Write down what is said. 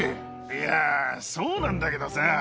いやー、そうなんだけどさ。